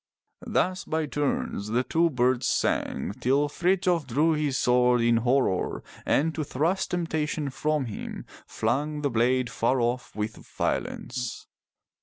'* Thus by turns the two birds sang, till Frithjof drew his sword in horror, and to thrust temptation from him, flung the blade far off with violence.